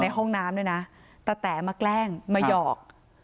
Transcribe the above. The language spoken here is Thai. ห้องน้ำด้วยนะตะแต๋มาแกล้งมาหยอก